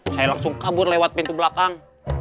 saya langsung kabur lewat pintu belakang